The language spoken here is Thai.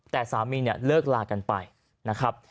แต่สามีเนี่ยเลิกลากันไปนะครับ